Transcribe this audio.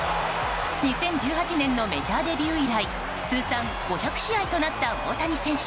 ２０１８年のメジャーデビュー以来通算５００試合となった大谷選手